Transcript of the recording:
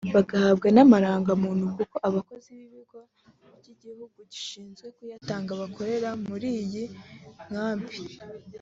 bagahabwa n’amarangamuntu kuko abakozi b’ ikigo cy’igihugu gishinzwe kuyatanga bakorera muri iyi nkambi